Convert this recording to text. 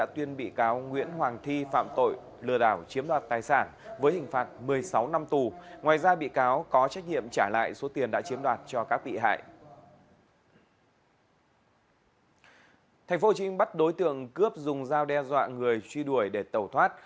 thành phố hồ chí minh bắt đối tượng cướp dùng dao đe dọa người truy đuổi để tẩu thoát